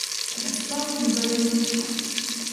Я спал, не боясь ничего.